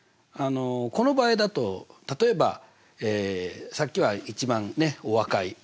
あのこの場合だと例えばさっきは一番お若い。